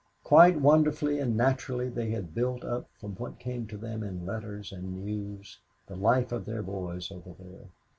Quite wonderfully and naturally they had built up from what came to them in letters and news the life of their boys over there.